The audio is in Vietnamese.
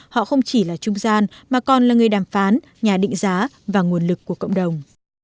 họ không chỉ là trung gian mà còn là người đàm phán nhà định giá và nguồn lực của cộng đồng